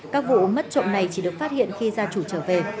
các vụ mất trộm này chỉ được phát hiện khi gia chủ trở về